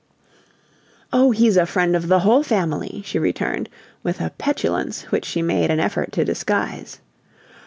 "Oh, he's a friend of the whole family," she returned, with a petulance which she made an effort to disguise.